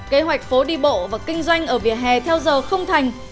kế hoạch phố đi bộ và kinh doanh ở vỉa hè theo giờ không thành